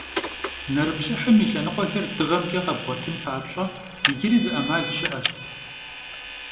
Nerıplhıhım yi lhenıkhuexer dığemç'e khebğuetın papş'e, yicıri zı 'emal şı'eş.